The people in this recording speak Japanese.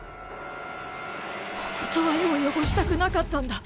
本当は絵を汚したくなかったんだ。